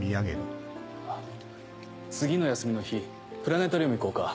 次の休みの日プラネタリウム行こうか。